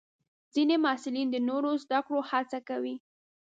ځینې محصلین د نوو زده کړو هڅه کوي.